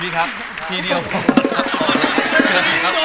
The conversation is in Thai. พี่ทัพพี่เดียวทัพออกแล้ว